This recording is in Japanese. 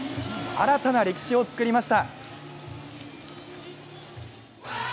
新たな歴史を作りました！